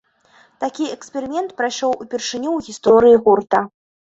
Такі эксперымент прайшоў упершыню ў гісторыі гурта.